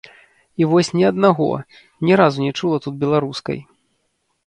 І вось ні аднаго, ні разу не чула тут беларускай.